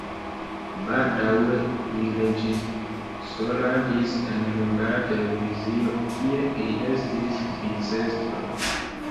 Baldaŭe li reĝisoradis en Hungara Televizio, kie li estis vicestro.